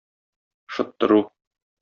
Шыттыру.